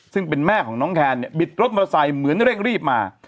ซึ่งเป็นแม่ของน้องแคนเนี่ยบิดรถมอเตอร์ไซค์เหมือนเร่งรีบมา